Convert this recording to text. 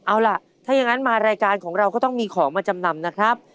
เอาล่ะถ้าอย่างนั้นมารายการของเราก็ต้องมีของมาจำนำนะครับ